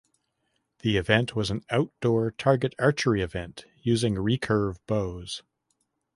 The event was an outdoor target archery event using recurve bows.